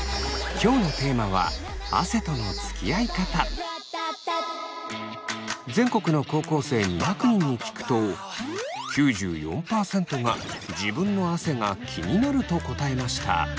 今日のテーマは全国の高校生２００人に聞くと９４％が自分の汗が気になると答えました。